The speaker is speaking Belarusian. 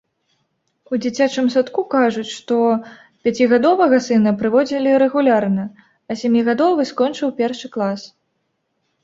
У дзіцячым садку кажуць, што пяцігадовага сына прыводзілі рэгулярна, а сямігадовы скончыў першы клас.